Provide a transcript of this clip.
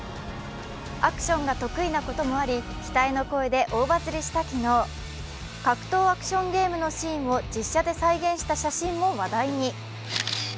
アクションが得意なこともあり、期待の声で大バズリした昨日、格闘アクションゲームのシーンを実写で再現した写真も話題に。